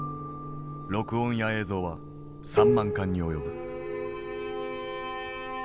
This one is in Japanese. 録音や映像は３万巻に及ぶ。